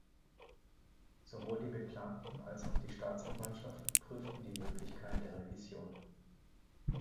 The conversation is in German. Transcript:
Sowohl die Beklagten als auch die Staatsanwaltschaft prüften die Möglichkeit der Revision.